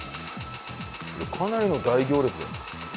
かなりの大行列だよ。